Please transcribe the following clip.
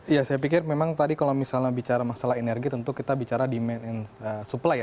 ya saya pikir memang tadi kalau misalnya bicara masalah energi tentu kita bicara demand and supply ya